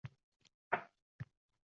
Avval ham xuddi shunday degandi